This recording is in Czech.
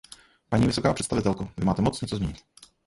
Paní vysoká představitelko, vy máte moc něco změnit.